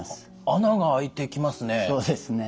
穴が開いていきますね。